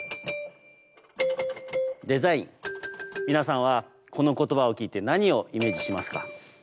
皆さんはこの言葉を聞いて何をイメージしますか？